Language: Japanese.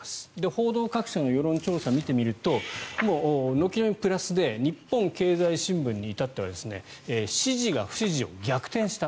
報道各社の世論調査を見てみるともう軒並みプラスで日本経済新聞に至っては支持が不支持を逆転した。